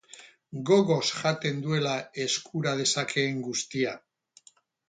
Gogoz jaten duela eskura dezakeen guztia.